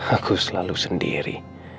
aku selalu sendiri